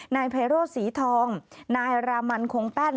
นายไพโรธสีทองนายรามันคงแป้น